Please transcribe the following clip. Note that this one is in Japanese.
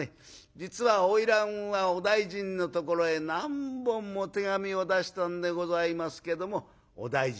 『実は花魁はお大尽のところへ何本も手紙を出したんでございますけどもお大尽